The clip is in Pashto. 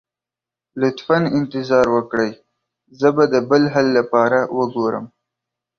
لطفا انتظار وکړئ، زه به د بل حل لپاره وګورم.